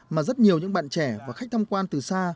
mà rất nhiều những bạn trẻ và khách tham quan từ xa